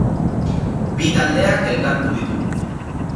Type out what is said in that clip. Bi taldeak elkartu ditugu.